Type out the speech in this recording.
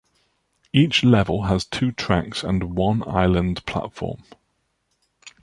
Each level has two tracks and one island platform.